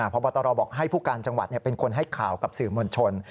พบตรบอกให้ผู้การจังหวัดเป็นคนให้ข่าวกับสื่อมวลชน